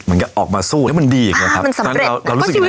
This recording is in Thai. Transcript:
เหมือนกับออกมาสู้แล้วมันดีเหรอครับอ่ามันสำเร็จแล้วเรารู้สึกเหมือน